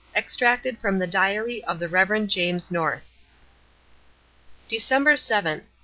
EXTRACTED FROM THE DIARY OF THE REV. JAMES NORTH. December 7th.